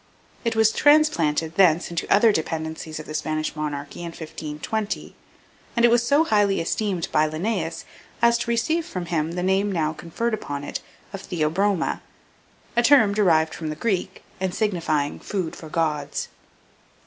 It was transplanted thence into other dependencies of the Spanish monarchy in 1520; and it was so highly esteemed by Linnaeus receive from him the name now conferred upon it, of Theobroma, a term derived from the Greek, and signifying "food for gods."